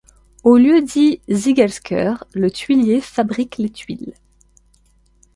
Au lieu-dit Ziegelscheuer, le tuilier fabrique les tuiles.